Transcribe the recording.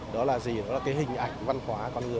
đó là gì đó là cái hình ảnh văn hóa con người